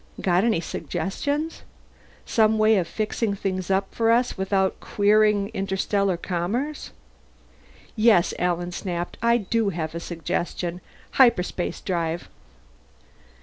"Got any suggestions? Some way of fixing things up for us without queering interstellar commerce?" "Yes," Alan snapped. "I do have a suggestion. Hyperspace drive!"